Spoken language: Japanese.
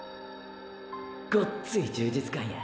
ごっつい充実感や。